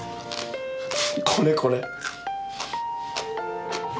これこれ。